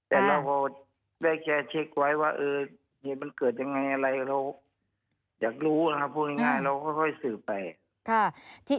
แต่เราพอได้แค่เช็คไว้ว่าเหตุมันเกิดยังไงอะไรเราอยากรู้นะครับพูดง่ายเราค่อยสืบไป